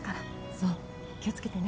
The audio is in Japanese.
そう気をつけてね。